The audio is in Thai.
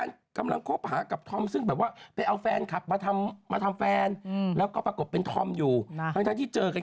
นางคิดแบบว่าไม่ไหวแล้วไปกด